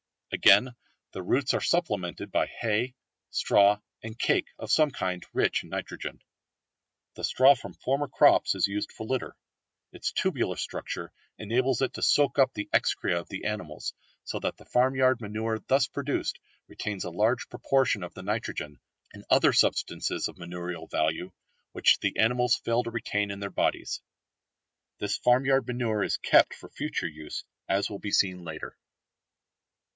Again the roots are supplemented by hay, straw, and cake of some kind rich in nitrogen. The straw from former crops is used for litter. Its tubular structure enables it to soak up the excreta of the animals, so that the farmyard manure thus produced retains a large proportion of the nitrogen, and other substances of manurial value, which the animals fail to retain in their bodies. This farmyard manure is kept for future use as will be seen later.